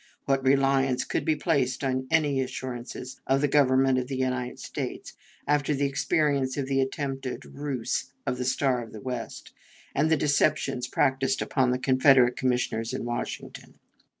What reliance could be placed in any assurances of the Government of the United States after the experience of the attempted ruse of the Star of the West and the deceptions practiced upon the Confederate Commissioners in Washington?